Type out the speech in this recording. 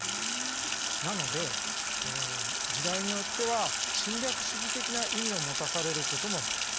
なので時代によっては侵略主義的な意味を持たされることもありました。